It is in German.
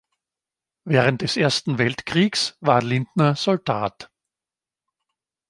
Während des Ersten Weltkrieges war Lindner Soldat.